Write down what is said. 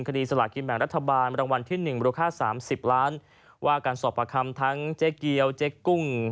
สถานการณ์การหินคดีสลัดกิจแมงรัฐบาลมรางวัลที่๑บริโรคค่า๓๐ล้านบาทว่าการสอบประคัมทั้งเจ๊เกี๊ยวจ๊ะกุ้ง